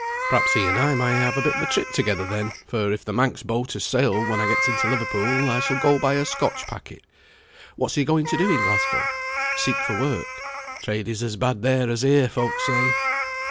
Perhaps he and I may have a bit of a trip together then, for, if the Manx boat has sailed when I get into Liverpool, I shall go by a Scotch packet. What's he going to do in Glasgow? Seek for work? Trade is as bad there as here, folk say."